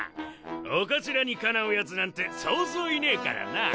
お頭にかなうやつなんてそうそういねえからな！